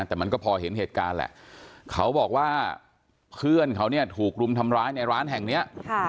แต่มันก็พอเห็นเหตุการณ์แหละเขาบอกว่าเพื่อนเขาเนี่ยถูกรุมทำร้ายในร้านแห่งเนี้ย